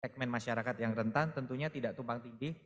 jadi segmen masyarakat yang rentan tentunya tidak tumpang tinggi